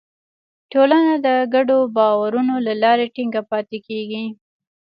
ټولنه د ګډو باورونو له لارې ټینګه پاتې کېږي.